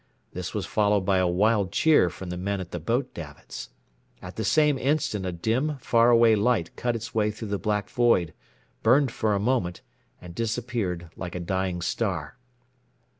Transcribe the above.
This was followed by a wild cheer from the men at the boat davits. At the same instant a dim, far away light cut its way through the black void, burned for a moment, and disappeared like a dying star.